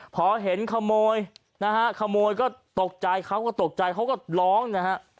พอเห็นขโมยนะฮะขโมยก็ตกใจเขาก็ตกใจเขาก็ร้องนะฮะ